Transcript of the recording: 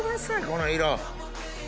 この色。